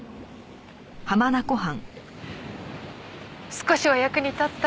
少しは役に立った？